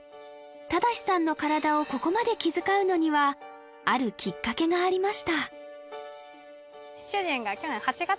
周士さんの体をここまで気遣うのにはあるきっかけがありました主人が去年８月？